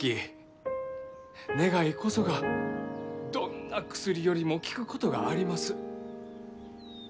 願いこそがどんな薬よりも効くことがあります。